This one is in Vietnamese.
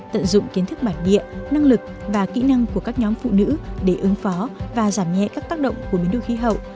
tận dụng kiến thức bản địa năng lực và kỹ năng của các nhóm phụ nữ để ứng phó và giảm nhẹ các tác động của biến đổi khí hậu